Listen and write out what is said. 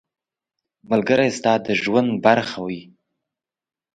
ملګری ستا د ژوند برخه وي.